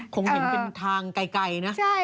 คงเห็นเป็นทางไกลนะ